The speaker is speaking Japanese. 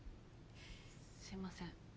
すいません。